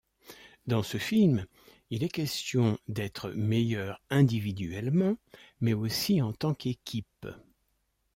Dans ce film, il est question d'être meilleur individuellement mais aussi en tant qu'équipe.